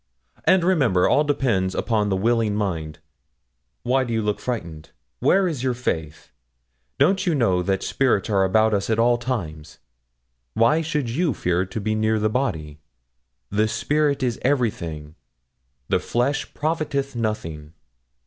And remember, all depends upon the willing mind. Why do you look frightened? Where is your faith? Don't you know that spirits are about us at all times? Why should you fear to be near the body? The spirit is everything; the flesh profiteth nothing.'